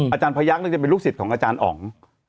อาจารย์พยักษ์จะเป็นลูกศิษย์ของอาจารย์อ๋อง